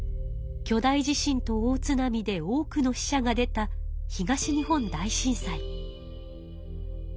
巨大地震と大津波で多くの死者が出た東日本大震災。